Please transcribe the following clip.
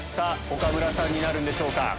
岡村さんになるんでしょうか？